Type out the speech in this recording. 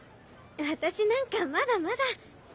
私なんかまだまだ。